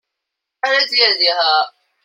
要約幾點集合？